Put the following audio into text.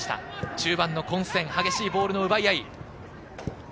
中盤の混戦、激しいボールの奪い合い。